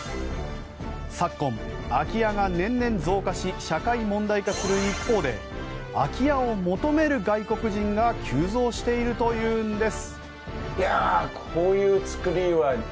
昨今、空き家が年々増加し社会問題化する一方で空き家を求める外国人が急増しているというんです。